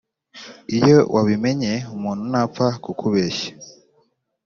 Iyo wabimenye umuntu ntapfa kukubeshya